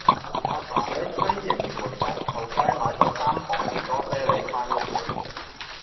亞爸喺西營盤皇后街買左三磅士多啤梨返屋企